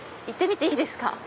行ってみていいですか？